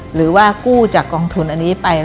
หรือว่ากู้จากกองทุนอันนี้ไป